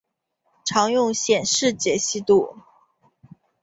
常用显示解析度